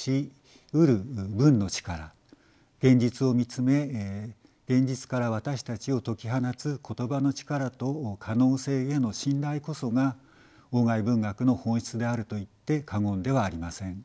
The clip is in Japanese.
現実を見つめ現実から私たちを解き放つ言葉の力と可能性への信頼こそが外文学の本質であるといって過言ではありません。